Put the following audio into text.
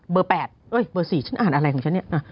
๘เอ้ยเบอร์๔ฉันอ่านอะไรของฉันเนี่ย